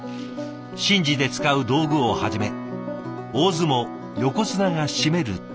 神事で使う道具をはじめ大相撲横綱が締める綱まで。